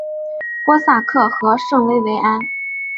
波萨克和圣维维安。